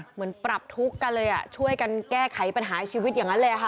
เหมือนปรับทุกข์กันเลยช่วยกันแก้ไขปัญหาชีวิตอย่างนั้นเลยค่ะ